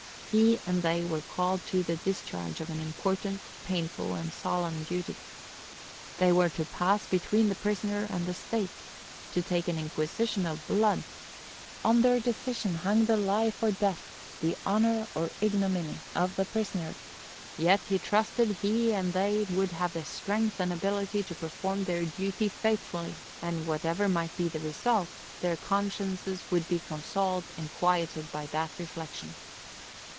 He and they were called to the discharge of an important, painful, and solemn duty. They were to pass between the prisoner and the state—to take an inquisition of blood; on their decision hung the life or death, the honor or ignominy, of the prisoner; yet he trusted he and they would have strength and ability to perform their duty faithfully; and, whatever might be the result, their consciences would be consoled and quieted by that reflection.